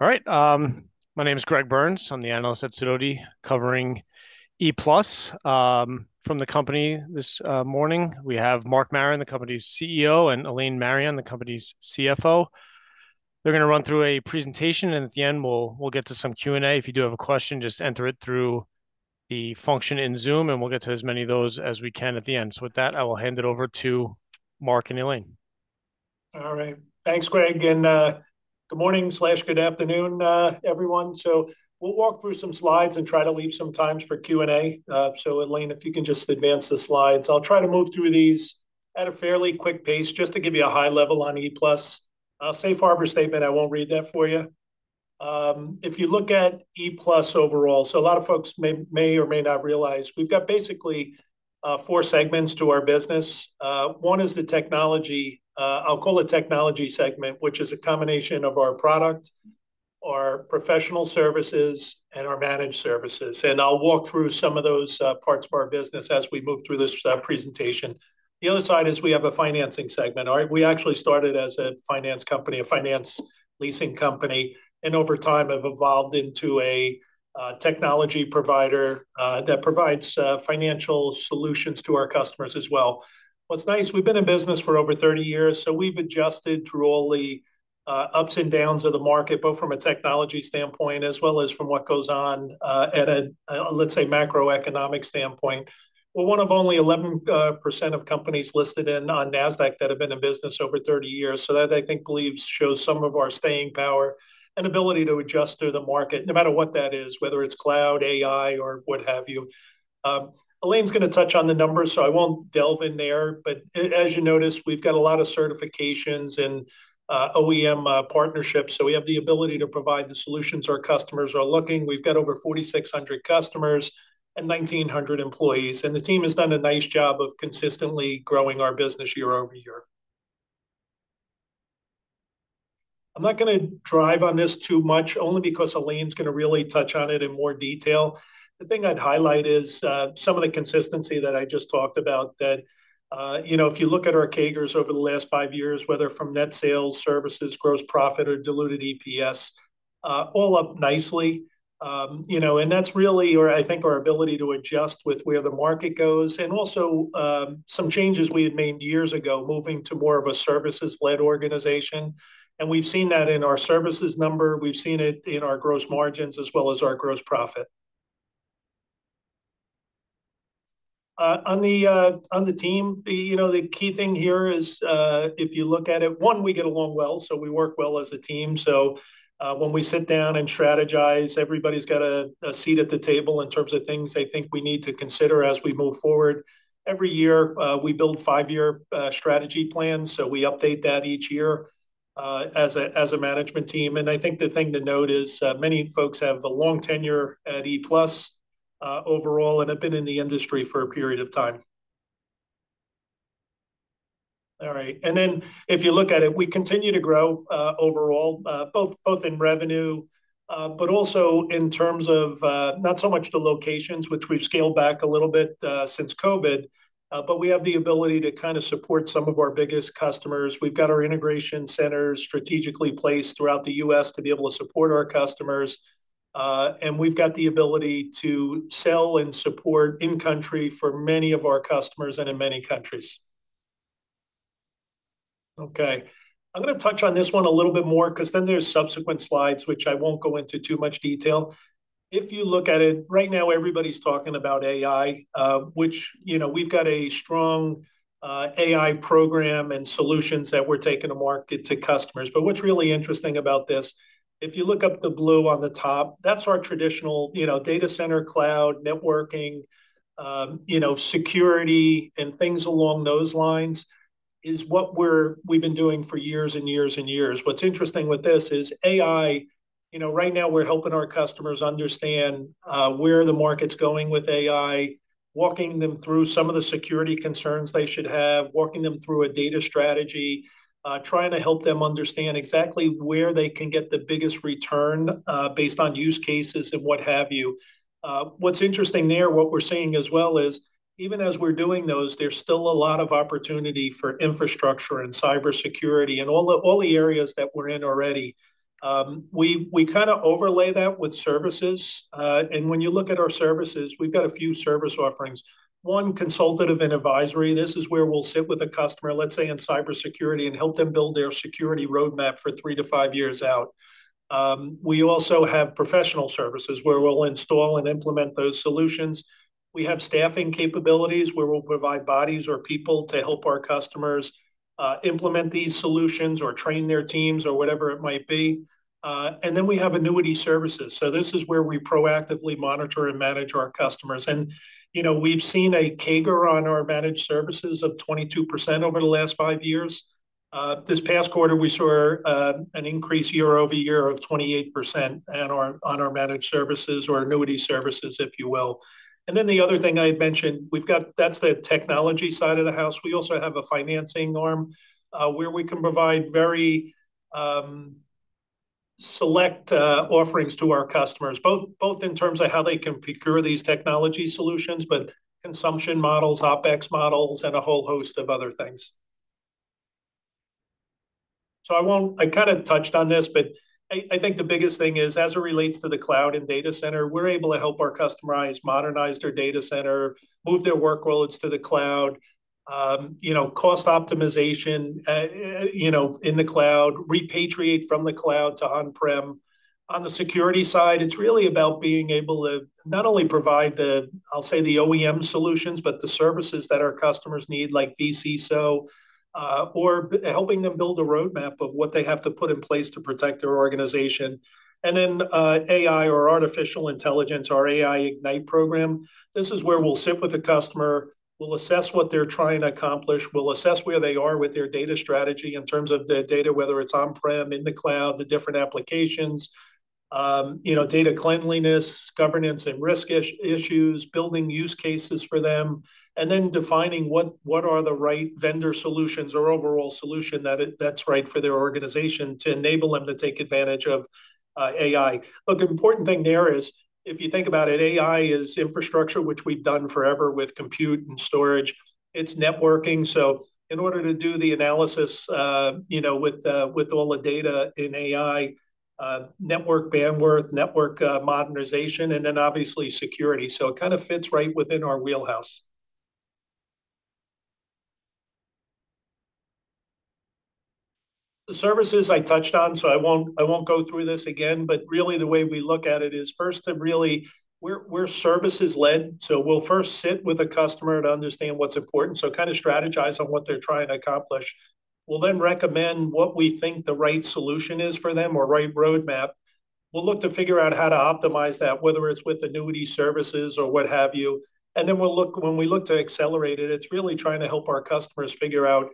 All right, my name is Greg Burns. I'm the analyst at Sidoti, covering ePlus. From the company this morning, we have Mark Marron, the company's CEO, and Elaine Marion, the company's CFO. They're gonna run through a presentation, and at the end, we'll get to some Q&A. If you do have a question, just enter it through the function in Zoom, and we'll get to as many of those as we can at the end. So with that, I will hand it over to Mark and Elaine. All right. Thanks, Greg, and, good morning/good afternoon, everyone. So we'll walk through some slides and try to leave some times for Q&A. So Elaine, if you can just advance the slides. I'll try to move through these at a fairly quick pace, just to give you a high level on ePlus. Our Safe Harbor statement, I won't read that for you. If you look at ePlus overall, so a lot of folks may or may not realize, we've got basically four segments to our business. One is the technology. I'll call it technology segment, which is a combination of our product, our professional services, and our managed services. And I'll walk through some of those parts of our business as we move through this presentation. The other side is we have a financing segment. All right? We actually started as a finance company, a finance leasing company, and over time have evolved into a technology provider that provides financial solutions to our customers as well. What's nice, we've been in business for over thirty years, so we've adjusted through all the ups and downs of the market, both from a technology standpoint as well as from what goes on at a let's say macroeconomic standpoint. We're one of only 11% of companies listed on Nasdaq that have been in business over thirty years. So that, I think, shows some of our staying power and ability to adjust through the market, no matter what that is, whether it's cloud, AI, or what have you. Elaine's gonna touch on the numbers, so I won't delve in there, but as you notice, we've got a lot of certifications and OEM partnerships, so we have the ability to provide the solutions our customers are looking. We've got over 4,600 customers and 1,900 employees, and the team has done a nice job of consistently growing our business year over year. I'm not gonna drive on this too much, only because Elaine's gonna really touch on it in more detail. The thing I'd highlight is some of the consistency that I just talked about, that you know, if you look at our CAGRs over the last five years, whether from net sales, services, gross profit, or diluted EPS, all up nicely. You know, and that's really our, I think, our ability to adjust with where the market goes and also some changes we had made years ago, moving to more of a services-led organization, and we've seen that in our services number, we've seen it in our gross margins, as well as our gross profit. On the team, you know, the key thing here is, if you look at it, one, we get along well, so we work well as a team. So, when we sit down and strategize, everybody's got a seat at the table in terms of things they think we need to consider as we move forward. Every year, we build five-year strategy plans, so we update that each year, as a management team. I think the thing to note is, many folks have a long tenure at ePlus, overall, and have been in the industry for a period of time. All right, and then if you look at it, we continue to grow, overall, both in revenue, but also in terms of, not so much the locations, which we've scaled back a little bit, since COVID, but we have the ability to kinda support some of our biggest customers. We've got our integration centers strategically placed throughout the U.S. to be able to support our customers. And we've got the ability to sell and support in country for many of our customers and in many countries. Okay, I'm gonna touch on this one a little bit more, 'cause then there's subsequent slides, which I won't go into too much detail. If you look at it, right now, everybody's talking about AI, which, you know, we've got a strong AI program and solutions that we're taking to market to customers. But what's really interesting about this, if you look up the blue on the top, that's our traditional, you know, data center, cloud, networking, you know, security, and things along those lines, is what we've been doing for years and years and years. What's interesting with this is AI, you know, right now we're helping our customers understand where the market's going with AI, walking them through some of the security concerns they should have, walking them through a data strategy, trying to help them understand exactly where they can get the biggest return, based on use cases and what have you. What's interesting there, what we're seeing as well, is even as we're doing those, there's still a lot of opportunity for infrastructure and cybersecurity and all the areas that we're in already. We kinda overlay that with services. And when you look at our services, we've got a few service offerings. One, consultative and advisory. This is where we'll sit with a customer, let's say, in cybersecurity, and help them build their security roadmap for three to five years out. We also have professional services, where we'll install and implement those solutions. We have staffing capabilities, where we'll provide bodies or people to help our customers implement these solutions or train their teams or whatever it might be. And then we have annuity services. So this is where we proactively monitor and manage our customers. You know, we've seen a CAGR on our managed services of 22% over the last five years. This past quarter, we saw an increase year over year of 28% on our managed services or annuity services, if you will. Then the other thing I'd mention, we've got. That's the technology side of the house. We also have a financing arm, where we can provide very select offerings to our customers, both in terms of how they can procure these technology solutions, but consumption models, OpEx models, and a whole host of other things. I won't. I kinda touched on this, but I think the biggest thing is, as it relates to the cloud and data center, we're able to help our customers customize, modernize their data center, move their workloads to the cloud. You know, cost optimization, you know, in the cloud, repatriate from the cloud to on-prem. On the security side, it's really about being able to not only provide the, I'll say, the OEM solutions, but the services that our customers need, like vCSO or helping them build a roadmap of what they have to put in place to protect their organization. And then, AI or artificial intelligence, our AI Ignite program, this is where we'll sit with the customer, we'll assess what they're trying to accomplish, we'll assess where they are with their data strategy in terms of the data, whether it's on-prem, in the cloud, the different applications. You know, data cleanliness, governance, and risk issues, building use cases for them, and then defining what, what are the right vendor solutions or overall solution that's right for their organization to enable them to take advantage of AI. Look, the important thing there is, if you think about it, AI is infrastructure, which we've done forever with compute and storage. It's networking, so in order to do the analysis, you know, with all the data in AI, network bandwidth, network modernization, and then obviously security. So it kinda fits right within our wheelhouse. The services I touched on, so I won't go through this again. But really, the way we look at it is, first to really... We're services-led, so we'll first sit with a customer to understand what's important, so kind of strategize on what they're trying to accomplish. We'll then recommend what we think the right solution is for them, or right roadmap. We'll look to figure out how to optimize that, whether it's with annuity services or what have you. When we look to accelerate it, it's really trying to help our customers figure out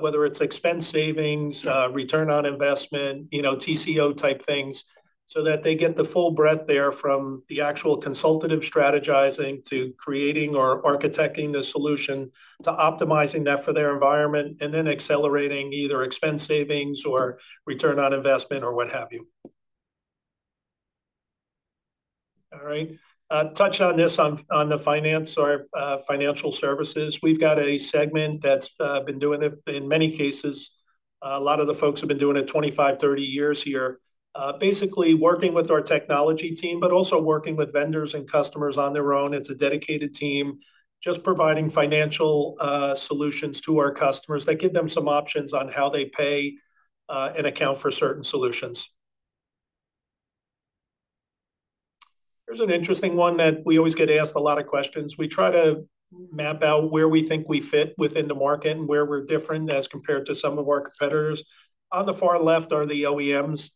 whether it's expense savings, return on investment, you know, TCO-type things, so that they get the full breadth there from the actual consultative strategizing, to creating or architecting the solution, to optimizing that for their environment, and then accelerating either expense savings or return on investment, or what have you. All right, touched on this, on the finance or, financial services. We've got a segment that's been doing it, in many cases, a lot of the folks have been doing it 25, 30 years here. Basically working with our technology team, but also working with vendors and customers on their own. It's a dedicated team, just providing financial solutions to our customers, that give them some options on how they pay and account for certain solutions. Here's an interesting one that we always get asked a lot of questions. We try to map out where we think we fit within the market, and where we're different as compared to some of our competitors. On the far left are the OEMs.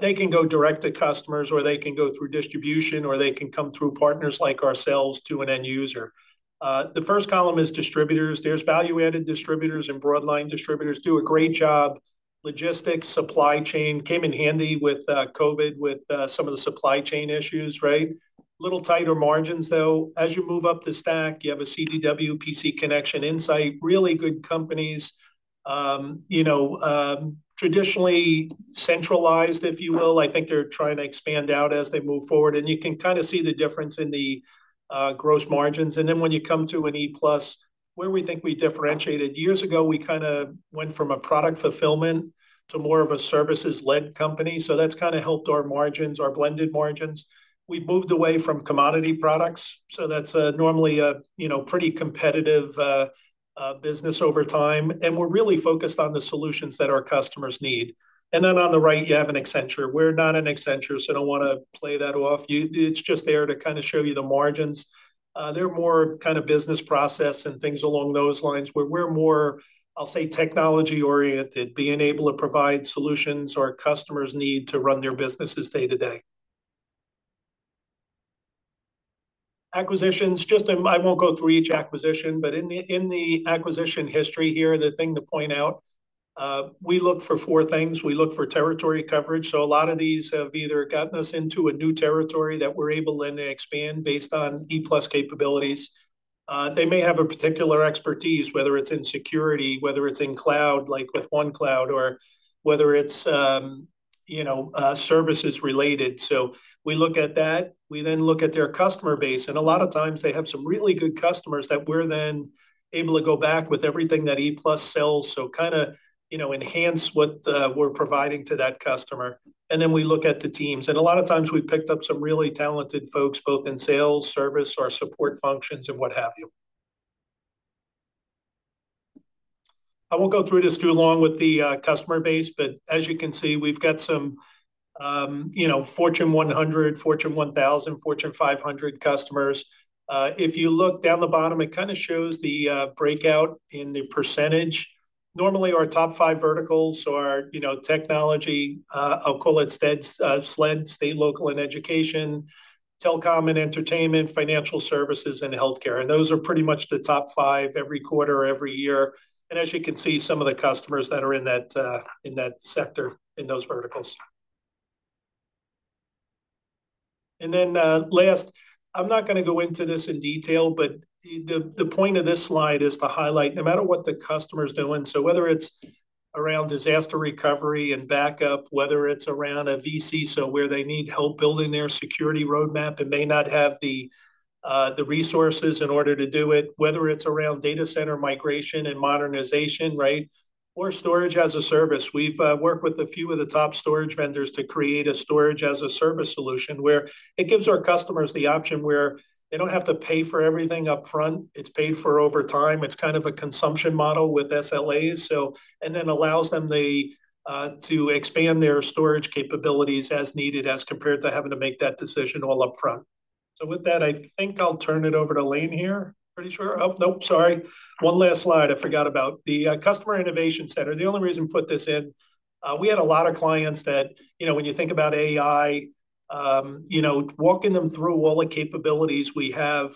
They can go direct to customers, or they can go through distribution, or they can come through partners like ourselves to an end user. The first column is distributors. There's value-added distributors, and broad line distributors do a great job. Logistics, supply chain, came in handy with COVID, with some of the supply chain issues, right? Little tighter margins, though. As you move up the stack, you have a CDW, PC Connection, Insight, really good companies. You know, traditionally centralized, if you will. I think they're trying to expand out as they move forward, and you can kinda see the difference in the gross margins, and then when you come to an ePlus, where we think we differentiated. Years ago, we kinda went from a product fulfillment to more of a services-led company, so that's kinda helped our margins, our blended margins. We've moved away from commodity products, so that's normally a, you know, pretty competitive business over time, and we're really focused on the solutions that our customers need. On the right, you have an Accenture. We're not an Accenture, so I don't wanna play that off you. It's just there to kinda show you the margins. They're more kind of business process and things along those lines, where we're more, I'll say, technology-oriented. Being able to provide solutions our customers need to run their businesses day to day. Acquisitions, just a... I won't go through each acquisition, but in the acquisition history here, the thing to point out, we look for four things. We look for territory coverage, so a lot of these have either gotten us into a new territory that we're able then to expand, based on ePlus capabilities. They may have a particular expertise, whether it's in security, whether it's in cloud, like with OneCloud, or whether it's services-related, so we look at that. We then look at their customer base, and a lot of times they have some really good customers that we're then able to go back with everything that ePlus sells. So kinda, you know, enhance what we're providing to that customer, and then we look at the teams. And a lot of times, we've picked up some really talented folks, both in sales, service, or support functions, and what have you. I won't go through this too long with the customer base, but as you can see, we've got some, you know, Fortune 100, Fortune 1000, Fortune 500 customers. If you look down the bottom, it kinda shows the breakout in the percentage. Normally, our top five verticals are, you know, technology. I'll call it SLED, state, local, and education, telecom and entertainment, financial services, and healthcare. And those are pretty much the top five every quarter or every year. As you can see, some of the customers that are in that sector, in those verticals. Then, last, I'm not gonna go into this in detail, but the point of this slide is to highlight, no matter what the customer's doing, so whether it's around disaster recovery and backup, whether it's around a vCSO, so where they need help building their security roadmap and may not have the resources in order to do it, whether it's around data center migration and modernization, right? Or storage-as-a-service. We've worked with a few of the top storage vendors to create a storage-as-a-service solution, where it gives our customers the option where they don't have to pay for everything upfront. It's paid for over time. It's kind of a consumption model with SLAs, so and then allows them to expand their storage capabilities as needed, as compared to having to make that decision all upfront, so with that, I think I'll turn it over to Elaine here. Pretty sure. Oh, nope, sorry. One last slide I forgot about: the Customer Innovation Center. The only reason we put this in, we had a lot of clients that, you know, when you think about AI, you know, walking them through all the capabilities we have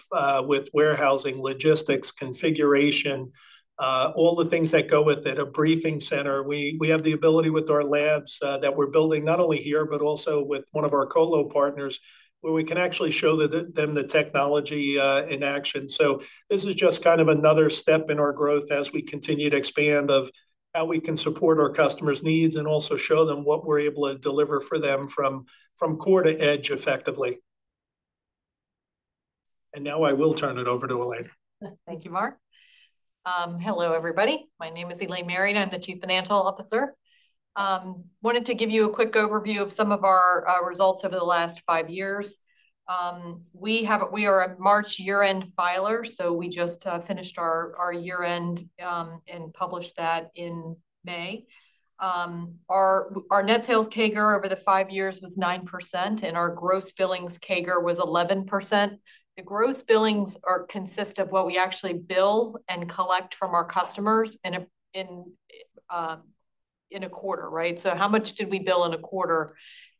with warehousing, logistics, configuration, all the things that go with it, a briefing center. We have the ability with our labs that we're building, not only here, but also with one of our colo partners, where we can actually show them the technology in action. So this is just kind of another step in our growth as we continue to expand, of how we can support our customers' needs and also show them what we're able to deliver for them from core to edge effectively. And now I will turn it over to Elaine. Thank you, Mark. Hello, everybody. My name is Elaine Marion. I'm the Chief Financial Officer. Wanted to give you a quick overview of some of our results over the last five years. We are a March year-end filer, so we just finished our year-end and published that in May. Our net sales CAGR over the five years was 9%, and our gross billings CAGR was 11%. The gross billings consist of what we actually bill and collect from our customers in a quarter, right? So how much did we bill in a quarter?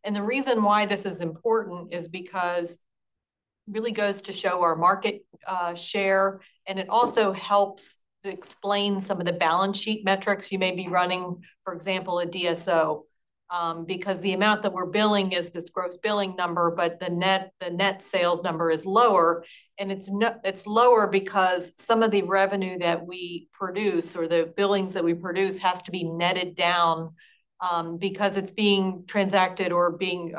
And the reason why this is important is because it really goes to show our market share, and it also helps to explain some of the balance sheet metrics you may be running, for example, a DSO. Because the amount that we're billing is this gross billing number, but the net sales number is lower, and it's lower because some of the revenue that we produce or the billings that we produce has to be netted down, because it's being transacted or being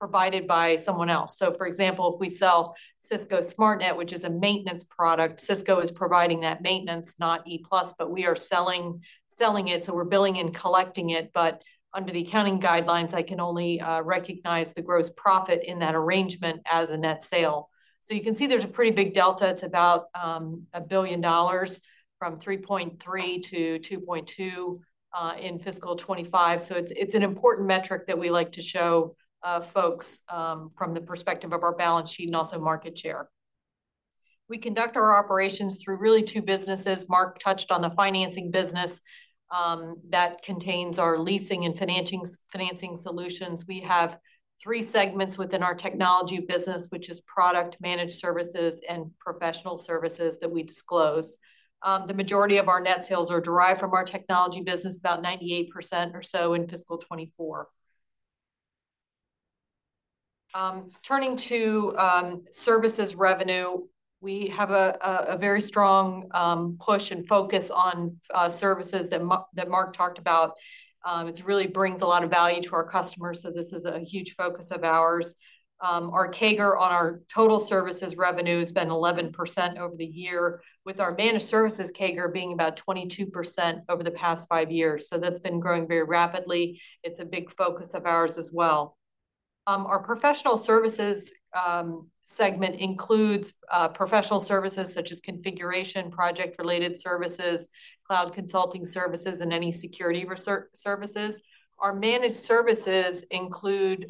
provided by someone else. So, for example, if we sell Cisco Smart Net, which is a maintenance product, Cisco is providing that maintenance, not ePlus, but we are selling it, so we're billing and collecting it. But under the accounting guidelines, I can only recognize the gross profit in that arrangement as a net sale. So you can see there's a pretty big delta. It's about $1 billion, from $3.3 billion to $2.2 billion in fiscal 2025. So it's an important metric that we like to show, folks, from the perspective of our balance sheet and also market share. We conduct our operations through really two businesses. Mark touched on the financing business that contains our leasing and financing solutions. We have three segments within our technology business, which is product, managed services, and professional services that we disclose. The majority of our net sales are derived from our technology business, about 98% or so in fiscal 2024. Turning to services revenue, we have a very strong push and focus on services that Mark talked about. It's really brings a lot of value to our customers, so this is a huge focus of ours. Our CAGR on our total services revenue has been 11% over the year, with our managed services CAGR being about 22% over the past five years. So that's been growing very rapidly. It's a big focus of ours as well. Our professional services segment includes professional services such as configuration, project-related services, cloud consulting services, and any security services. Our managed services include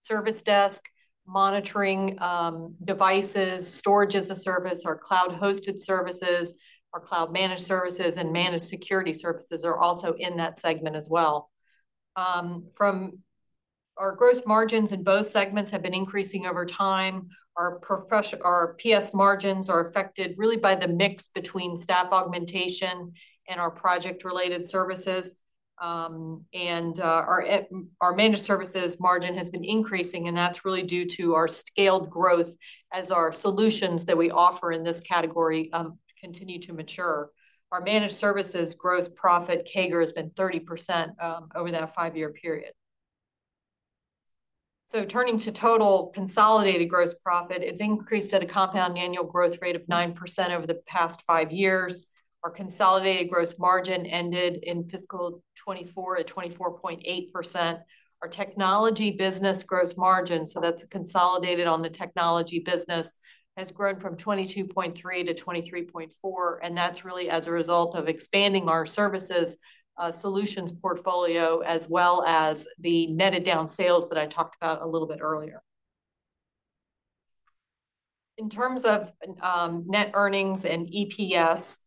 service desk, monitoring devices, storage-as-a-service or cloud-hosted services. Our cloud managed services and managed security services are also in that segment as well. Our gross margins in both segments have been increasing over time. Our PS margins are affected really by the mix between staff augmentation and our project-related services. Our managed services margin has been increasing, and that's really due to our scaled growth as our solutions that we offer in this category continue to mature. Our managed services gross profit CAGR has been 30% over that five-year period. Turning to total consolidated gross profit, it's increased at a compound annual growth rate of 9% over the past five years. Our consolidated gross margin ended in fiscal 2024 at 24.8%. Our technology business gross margin, so that's consolidated on the technology business, has grown from 22.3 to 23.4, and that's really as a result of expanding our services solutions portfolio, as well as the netted down sales that I talked about a little bit earlier. In terms of net earnings and EPS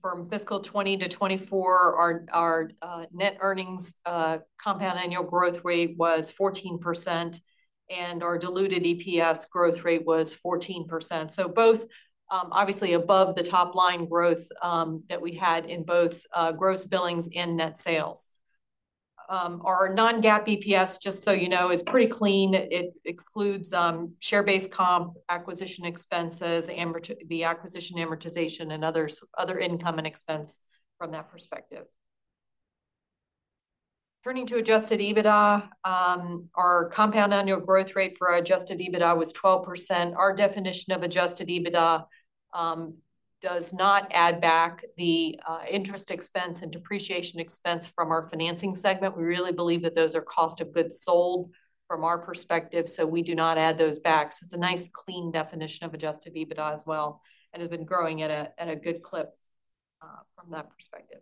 from fiscal 2020 to 2024, our net earnings compound annual growth rate was 14%, and our diluted EPS growth rate was 14%. So both obviously above the top-line growth that we had in both gross billings and net sales. Our non-GAAP EPS, just so you know, is pretty clean. It excludes share-based comp, acquisition expenses, the acquisition amortization, and other income and expense from that perspective. Turning to adjusted EBITDA, our compound annual growth rate for our adjusted EBITDA was 12%. Our definition of adjusted EBITDA does not add back the interest expense and depreciation expense from our financing segment. We really believe that those are cost of goods sold from our perspective, so we do not add those back. So it's a nice, clean definition of Adjusted EBITDA as well, and has been growing at a good clip from that perspective.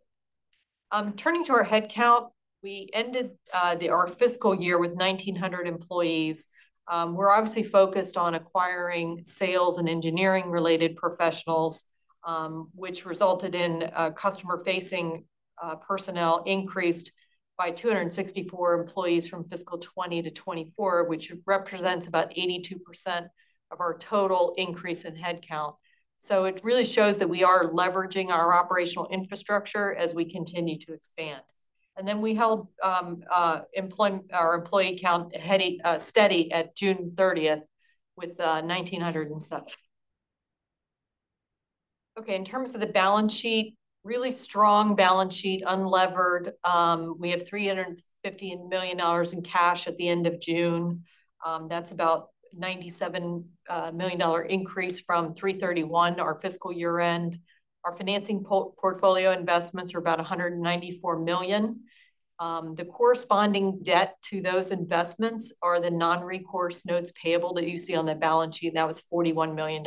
Turning to our headcount, we ended our fiscal year with 1,900 employees. We're obviously focused on acquiring sales and engineering-related professionals, which resulted in customer-facing personnel increased by 264 employees from fiscal 2020 to 2024, which represents about 82% of our total increase in headcount. It really shows that we are leveraging our operational infrastructure as we continue to expand. And then we held our employee count heading steady at June thirtieth, with 1,907. Okay, in terms of the balance sheet, really strong balance sheet, unlevered. We have $350 million in cash at the end of June. That's about $97 million dollar increase from $331, our fiscal year end. Our financing portfolio investments are about $194 million. The corresponding debt to those investments are the non-recourse notes payable that you see on the balance sheet, and that was $41 million.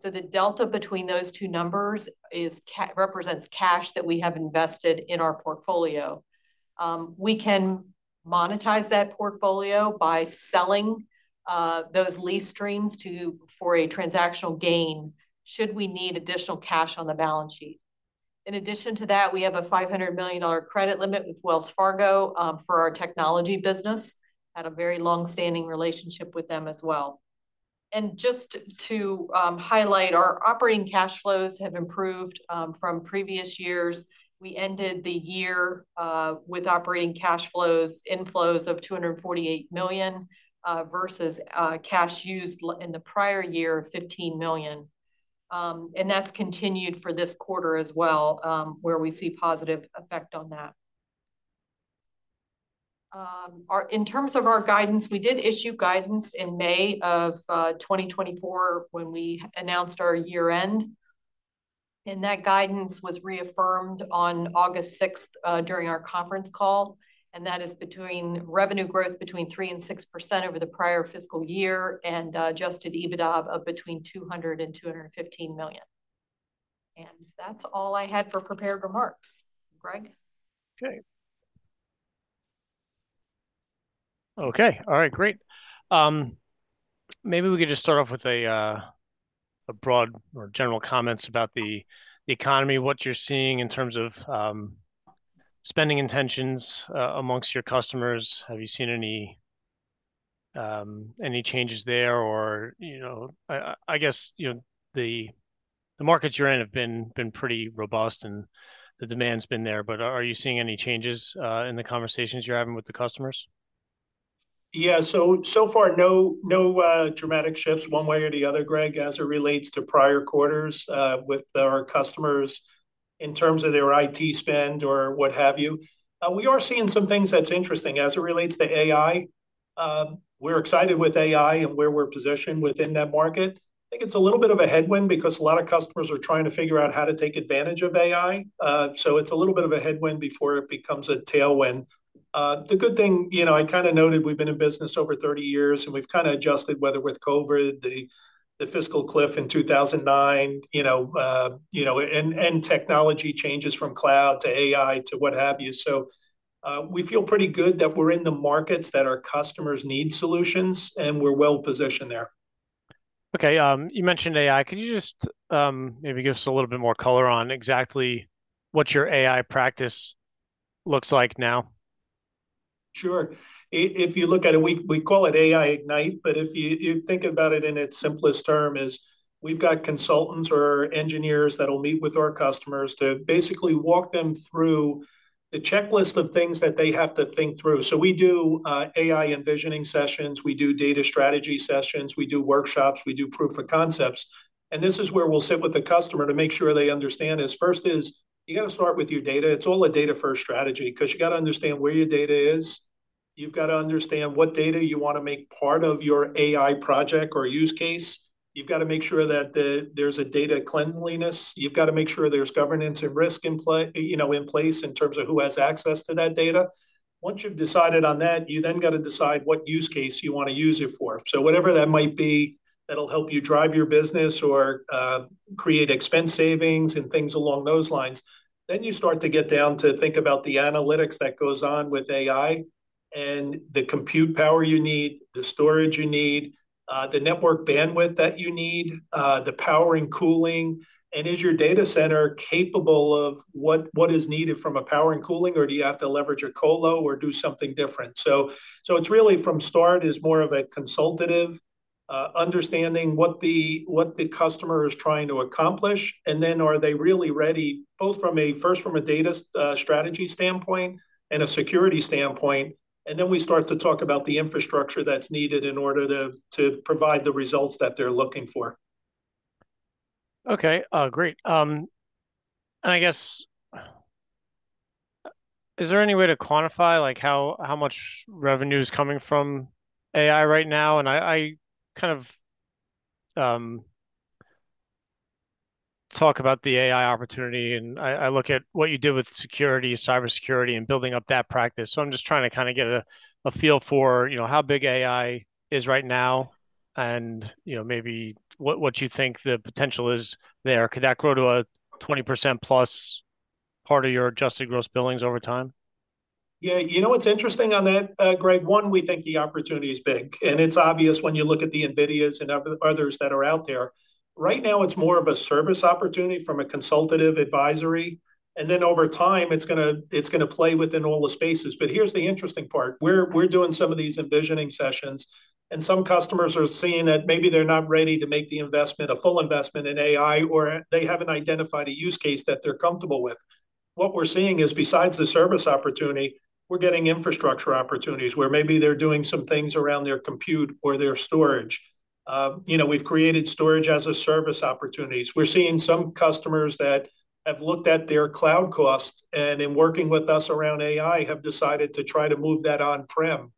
So the delta between those two numbers represents cash that we have invested in our portfolio. We can monetize that portfolio by selling those lease streams for a transactional gain should we need additional cash on the balance sheet. In addition to that, we have a $500 million dollar credit limit with Wells Fargo for our technology business, had a very long-standing relationship with them as well. Just to highlight, our operating cash flows have improved from previous years. We ended the year with operating cash flows, inflows of $248 million, versus cash used in the prior year, $15 million. And that's continued for this quarter as well, where we see positive effect on that. In terms of our guidance, we did issue guidance in May of twenty twenty-four, when we announced our year end, and that guidance was reaffirmed on August 6th during our conference call, and that is revenue growth between 3%-6% over the prior fiscal year, and Adjusted EBITDA of between $200 million-$215 million. And that's all I had for prepared remarks. Greg? Okay. Okay, all right, great. Maybe we could just start off with a broad or general comments about the economy, what you're seeing in terms of spending intentions amongst your customers. Have you seen any changes there? Or, you know, I guess, you know, the markets you're in have been pretty robust, and the demand's been there, but are you seeing any changes in the conversations you're having with the customers? Yeah, so far, no dramatic shifts one way or the other, Greg, as it relates to prior quarters, with our customers in terms of their IT spend or what have you. We are seeing some things that's interesting as it relates to AI. We're excited with AI and where we're positioned within that market. I think it's a little bit of a headwind because a lot of customers are trying to figure out how to take advantage of AI. So it's a little bit of a headwind before it becomes a tailwind. The good thing, you know, I kind of noted we've been in business over 30 years, and we've kind of adjusted, whether with COVID, the fiscal cliff in two thousand and nine, you know, you know, and technology changes from cloud to AI to what have you. We feel pretty good that we're in the markets that our customers need solutions, and we're well-positioned there. Okay, you mentioned AI. Could you just, maybe give us a little bit more color on exactly what your AI practice looks like now? Sure. If you look at it, we call it AI Ignite, but if you think about it in its simplest term, is we've got consultants or engineers that'll meet with our customers to basically walk them through the checklist of things that they have to think through. So we do AI envisioning sessions, we do data strategy sessions, we do workshops, we do proof of concepts, and this is where we'll sit with the customer to make sure they understand, first, you got to start with your data. It's all a data-first strategy, 'cause you gotta understand where your data is. You've got to understand what data you want to make part of your AI project or use case. You've got to make sure that there's a data cleanliness. You've got to make sure there's governance and risk in play, you know, in place, in terms of who has access to that data. Once you've decided on that, you then got to decide what use case you want to use it for. So whatever that might be, that'll help you drive your business or, create expense savings and things along those lines. Then, you start to get down to think about the analytics that goes on with AI, and the compute power you need, the storage you need, the network bandwidth that you need, the power and cooling, and is your data center capable of what is needed from a power and cooling, or do you have to leverage a colo or do something different? So, it's really from start, is more of a consultative understanding what the customer is trying to accomplish, and then are they really ready, both from a first from a data strategy standpoint and a security standpoint, and then we start to talk about the infrastructure that's needed in order to provide the results that they're looking for. Okay, great. And I guess, is there any way to quantify, like, how much revenue is coming from AI right now? And I kind of talk about the AI opportunity, and I look at what you do with security, cybersecurity, and building up that practice. So I'm just trying to kind of get a feel for, you know, how big AI is right now and, you know, maybe what you think the potential is there. Could that grow to a 20%+ part of your adjusted gross billings over time? Yeah, you know what's interesting on that, Greg? One, we think the opportunity is big, and it's obvious when you look at the NVIDIA's and others that are out there. Right now, it's more of a service opportunity from a consultative advisory, and then over time, it's gonna play within all the spaces. But here's the interesting part: we're doing some of these envisioning sessions, and some customers are seeing that maybe they're not ready to make the investment, a full investment in AI, or they haven't identified a use case that they're comfortable with. What we're seeing is, besides the service opportunity, we're getting infrastructure opportunities, where maybe they're doing some things around their compute or their storage. You know, we've created storage-as-a-service opportunities. We're seeing some customers that have looked at their cloud costs, and in working with us around AI, have decided to try to move that on-prem,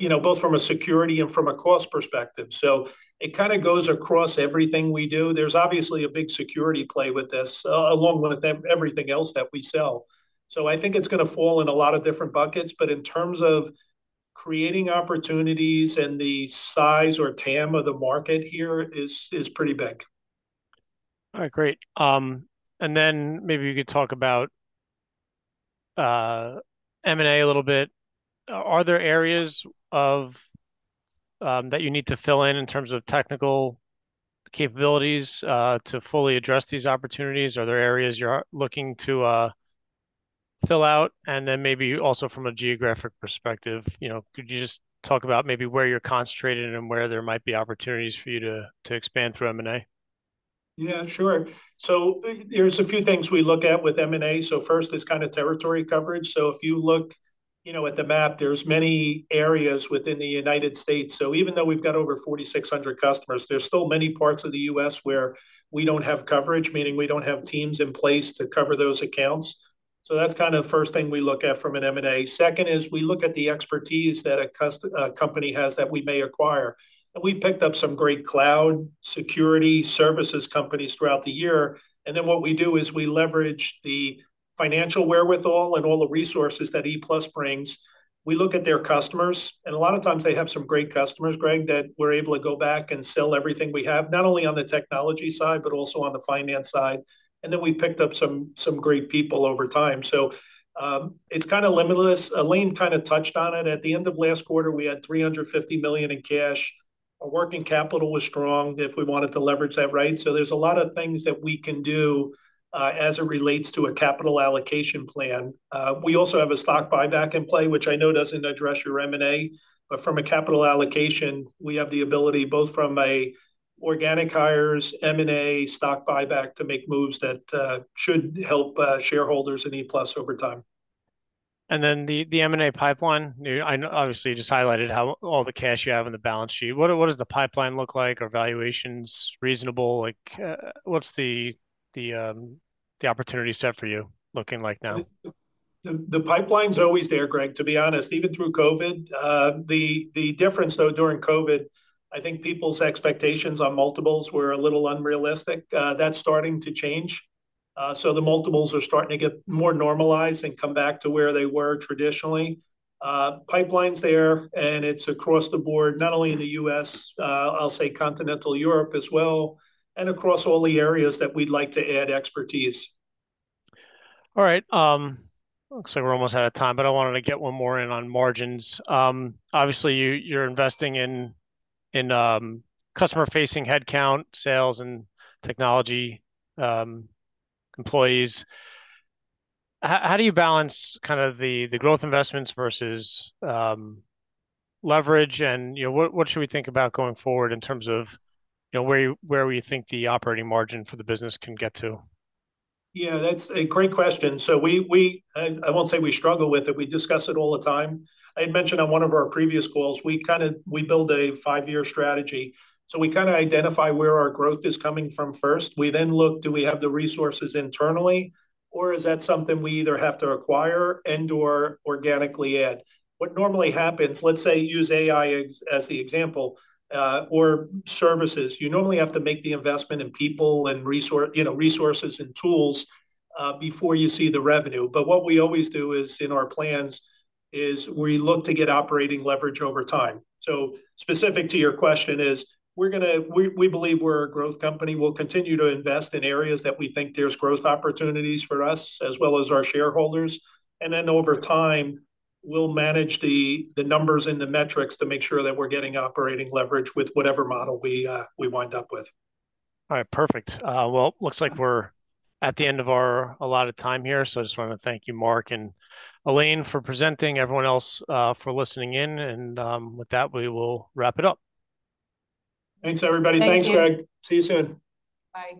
you know, both from a security and from a cost perspective. So it kind of goes across everything we do. There's obviously a big security play with this, along with everything else that we sell. So I think it's gonna fall in a lot of different buckets, but in terms of creating opportunities and the size or TAM of the market here is pretty big. All right, great. And then maybe you could talk about M&A a little bit. Are there areas of that you need to fill in, in terms of technical capabilities, to fully address these opportunities? Are there areas you're looking to fill out? And then maybe also from a geographic perspective, you know, could you just talk about maybe where you're concentrated and where there might be opportunities for you to expand through M&A? Yeah, sure. So there's a few things we look at with M&A. So first is kind of territory coverage. So if you look, you know, at the map, there's many areas within the United States. So even though we've got over 4,600 customers, there's still many parts of the U.S. where we don't have coverage, meaning we don't have teams in place to cover those accounts. So that's kind of first thing we look at from an M&A. Second is we look at the expertise that a company has that we may acquire. And we've picked up some great cloud security services companies throughout the year, and then what we do is we leverage the financial wherewithal and all the resources that ePlus brings. We look at their customers, and a lot of times they have some great customers, Greg, that we're able to go back and sell everything we have, not only on the technology side, but also on the finance side, and then we picked up some great people over time. So, it's kind of limitless. Elaine kind of touched on it. At the end of last quarter, we had $350 million in cash. Our working capital was strong, if we wanted to leverage that, right? So there's a lot of things that we can do, as it relates to a capital allocation plan. We also have a stock buyback in play, which I know doesn't address your M&A, but from a capital allocation, we have the ability, both from organic hires, M&A, stock buyback, to make moves that should help shareholders in ePlus over time. And then the M&A pipeline. You know, I know, obviously, you just highlighted how all the cash you have on the balance sheet. What does the pipeline look like? Are valuations reasonable? Like, what's the opportunity set for you looking like now? The pipeline's always there, Greg, to be honest, even through COVID. The difference, though, during COVID, I think people's expectations on multiples were a little unrealistic. That's starting to change, so the multiples are starting to get more normalized and come back to where they were traditionally. Pipeline's there, and it's across the board, not only in the U.S., I'll say continental Europe as well, and across all the areas that we'd like to add expertise. All right, looks like we're almost out of time, but I wanted to get one more in on margins. Obviously, you're investing in customer-facing headcount, sales, and technology employees. How do you balance kind of the growth investments versus leverage, and you know, what should we think about going forward in terms of, you know, where we think the operating margin for the business can get to? Yeah, that's a great question. So, I won't say we struggle with it. We discuss it all the time. I had mentioned on one of our previous calls, we kind of build a five-year strategy. So we kind of identify where our growth is coming from first. We then look, do we have the resources internally, or is that something we either have to acquire and/or organically add? What normally happens, let's say, use AI as the example, or services. You normally have to make the investment in people and you know, resources and tools before you see the revenue. But what we always do is, in our plans, we look to get operating leverage over time. So specific to your question, we believe we're a growth company. We'll continue to invest in areas that we think there's growth opportunities for us, as well as our shareholders, and then over time, we'll manage the numbers and the metrics to make sure that we're getting operating leverage with whatever model we wind up with. All right, perfect. Well, looks like we're at the end of our allotted time here, so I just wanted to thank you, Mark and Elaine, for presenting, everyone else, for listening in, and with that, we will wrap it up. Thanks, everybody. Thank you. Thanks, Greg. See you soon. Bye.